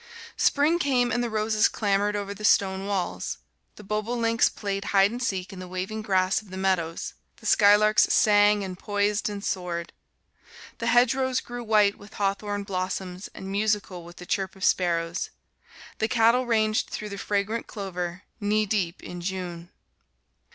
Spring came and the roses clambered over the stone walls; the bobolinks played hide and seek in the waving grass of the meadows; the skylarks sang and poised and soared; the hedgerows grew white with hawthorn blossoms and musical with the chirp of sparrows; the cattle ranged through the fragrant clover "knee deep in June."